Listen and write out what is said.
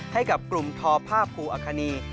ให้กับกลุ่มทอภาพภูมิอักษณีย์